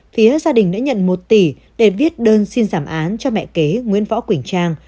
phía gia đình đã nhận một tỷ để viết đơn xin giảm án cho mẹ kế nguyễn võ quỳnh trang